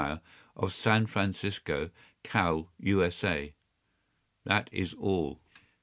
of San Francisco, Cal., U.S.A.’ That is all.